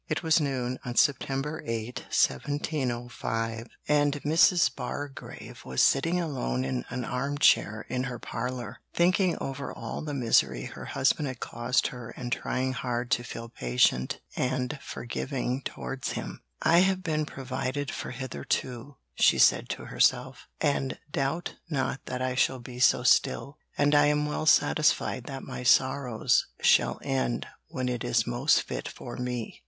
It was noon, on September 8, 1705, and Mrs. Bargrave was sitting alone in an armchair in her parlour, thinking over all the misery her husband had caused her and trying hard to feel patient and forgiving towards him. 'I have been provided for hitherto,' she said to herself, 'and doubt not that I shall be so still, and I am well satisfied that my sorrows shall end when it is most fit for me.'